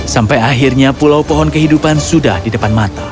sampai akhirnya pulau pohon kehidupan sudah di depan mata